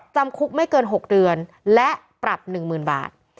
จำคุกไม่เกิน๖เดือนและปรับ๑๐๐๐บาท